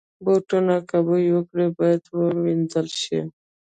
بوټونه که بوی وکړي، باید وینځل شي.